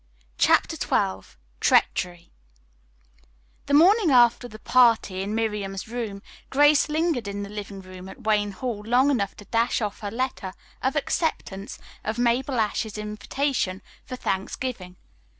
CHAPTER XII TREACHERY The morning after the party in Miriam's room Grace lingered in the living room at Wayne Hall long enough to dash off her letter of acceptance of Mabel Ashe's invitation for Thanksgiving.